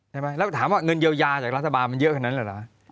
ไหมแล้วถามว่าเงินเยียวยาจากรัฐบาลมันเยอะกว่านั้นเหรอ